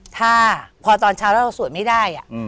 ถ้าพอตอนเช้าแล้วเราสวดไม่ได้